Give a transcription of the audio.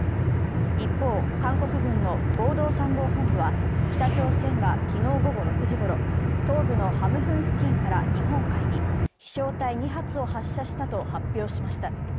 一方、韓国軍の合同参謀本部は北朝鮮が昨日午後６時ごろ、東部のハムフン付近から日本海に飛しょう体２発を発射したと発表しました。